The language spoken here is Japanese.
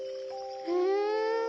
ふん。